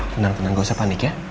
tenang tenang gak usah panik ya